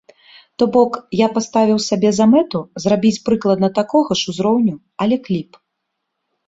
То бок, я паставіў сабе за мэту зрабіць прыкладна такога ж узроўню, але кліп.